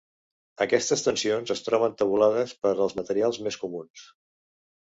Aquestes tensions es troben tabulades per als materials més comuns.